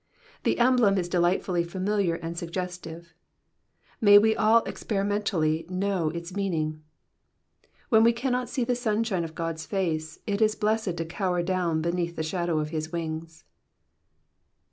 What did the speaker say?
The emblem is delightfully familiar and suggestive. May we all experimentally know its meaning. When we cannot see the sunshine of God's face, it is blessed to cower down beneath the shadow of his wings.